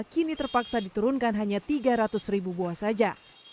kini terpaksa diturunkan hanya tiga ratus ribu buah saja